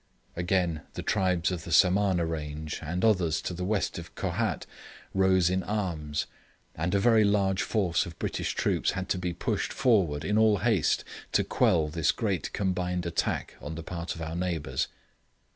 Again, the tribes of the Samana range, and others to the west of Kohat, rose in arms; and a very large force of British troops had to be pushed forward in all haste to quell this great combined attack on the part of our neighbours.